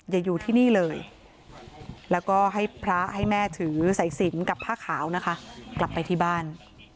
อยู่ที่นี่เลยแล้วก็ให้พระให้แม่ถือสายสินกับผ้าขาวนะคะกลับไปที่บ้าน